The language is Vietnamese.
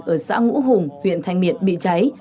ở xã ngũ hùng huyện thanh miện bị cháy